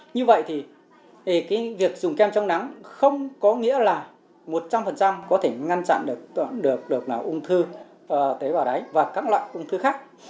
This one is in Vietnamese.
như vậy thì cái việc dùng kem trong nắng không có nghĩa là một trăm linh có thể ngăn chặn được được là ung thư tế bào đáy và các loại ung thư khác